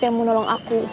yang mau nolong aku